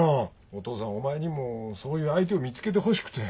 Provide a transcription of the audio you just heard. お父さんお前にもそういう相手を見つけてほしくて。